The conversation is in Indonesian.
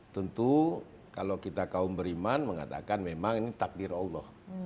tentu kalau kita kaum beriman mengatakan memang ini takdir allah